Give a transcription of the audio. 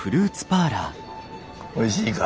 おいしいか？